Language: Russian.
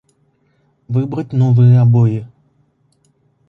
Выбрать новые обои